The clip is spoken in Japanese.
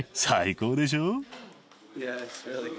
最高でしょ。